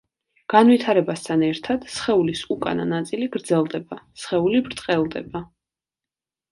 განვითარებასთან ერთად სხეულის უკანა ნაწილი გრძელდება, სხეული ბრტყელდება.